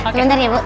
sebentar ya bu